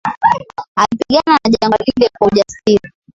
Alipigana na jangwa lile kwa ujasiri